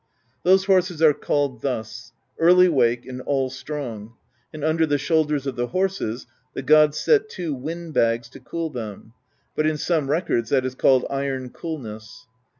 Those horses are called thus: Early Wake and All Strong; and under the shoulders of the horses the gods set two wind bags to cool them, but in some records that is called 'iron coolness.'